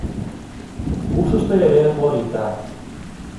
Ушышто эре Лоритта.